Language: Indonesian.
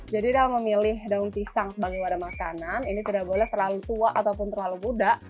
jadi dalam memilih daun pisang sebagai wadah makanan ini tidak boleh terlalu tua ataupun terlalu budak